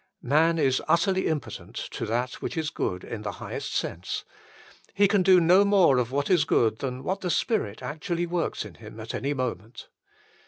Man is utterly impotent to that which is good in the highest sense : he can do no more of what is good than what the Spirit actually works in him at any moment.